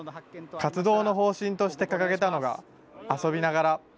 活動の方針として掲げたのが、遊びながら。